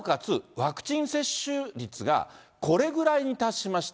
ワクチン接種率がこれぐらいに達しました。